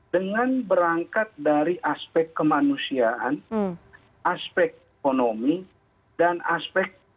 dengan berangkat dari aspek kemanusiaan aspek ekonomi dan aspek